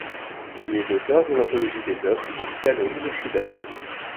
Il est l'auteur d'une anthologie des œuvres pour piano de Schubert.